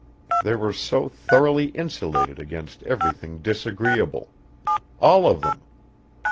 They were so thoroughly insulated against everything disagreeable. All of them.